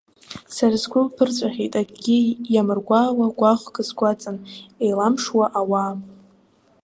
Сара сгәы ԥырҵәахьеит акгьы иамыргәаауа, гәаӷк згәаҵан еиламшуа ауаа.